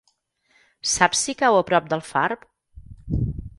Saps si cau a prop d'Alfarb?